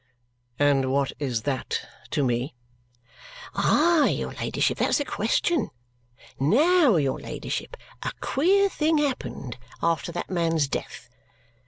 "And what is THAT to me?" "Aye, your ladyship, that's the question! Now, your ladyship, a queer thing happened after that man's death.